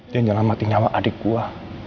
dia yang nyelamati nyawa adik gue